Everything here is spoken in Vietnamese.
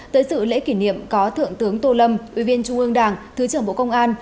tới sự lễ kỷ niệm có thượng tướng tô lâm ubnd thứ trưởng bộ công an